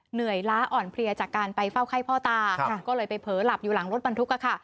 เหนื่อยล้าอ่อนเพลียจากการไปเฝ้าไข้พ่อตาก็เลยไปเผลอหลับอยู่หลังรถบรรทุกค่ะ